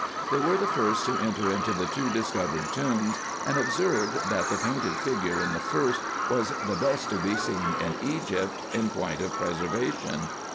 They were the first to enter into the two discovered tombs, and observed, that the painted figure in the first was the best to be seen in Egypt, in point IN EGYPT, NUBIA, &c 229 of preservation.